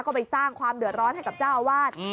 ก็ไปสร้างความเดือดร้อนให้กับเจ้าอาวาส